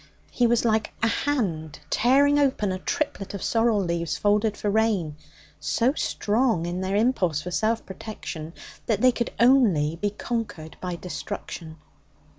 He was like a hand tearing open a triplet of sorrel leaves folded for rain, so strong in their impulse for self protection that they could only be conquered by destruction.